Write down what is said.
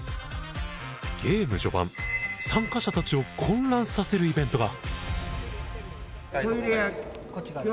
ゲーム序盤参加者たちを混乱させるイベントが。